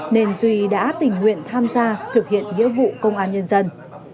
nên duy đã tình nguyện tham gia thực hiện nghĩa vụ công an nhân dân